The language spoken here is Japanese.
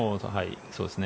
そうですね。